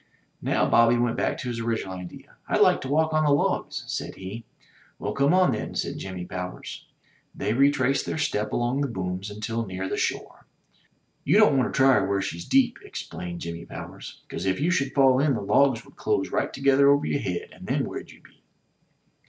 Now Bobby went back to his original idea. "Td like to walk on the logs," said he. "Well, come on, then," said Jimmy Powers. They retraced their steps along the booms until near the shore. "You don't want to try her where she's deep," explained Jimmy Powers. "Cause if you should fall in, the logs would close right together over your head, and then where'd you be?"